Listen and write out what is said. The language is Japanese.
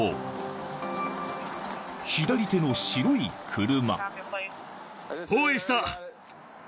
［左手の白い車］